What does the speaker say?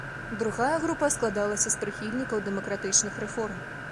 Другая група складалася з прыхільнікаў дэмакратычных рэформ.